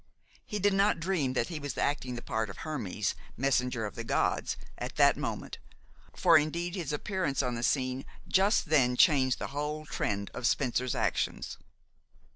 He did not dream that he was acting the part of Hermes, messenger of the gods, at that moment, for indeed his appearance on the scene just then changed the whole trend of Spencer's actions.